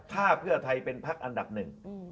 ถ้าเพื่อไทยเป็นพักอันดับหนึ่ง